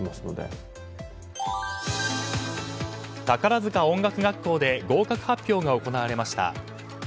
宝塚音楽学校で合格発表が行われました。